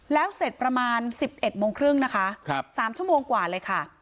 แล้วเสร็จประมาณสิบเอ็ดโมงครึ่งนะคะครับสามชั่วโมงกว่าเลยค่ะ